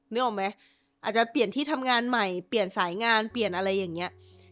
นึกออกไหมอาจจะเปลี่ยนที่ทำงานใหม่เปลี่ยนสายงานเปลี่ยนอะไรอย่างนี้